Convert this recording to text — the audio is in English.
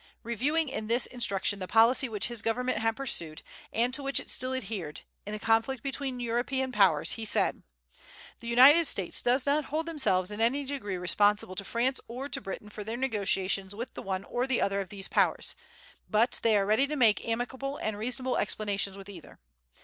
Reviewing in this instruction the policy which his government had pursued, and to which it still adhered, in the conflict between the European powers, he said: "The United States do not hold themselves in any degree responsible to France or to Britain for their negotiations with the one or the other of these powers; but they are ready to make amicable and reasonable explanations with either....